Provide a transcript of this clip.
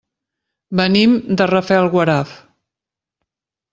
Venim de Rafelguaraf.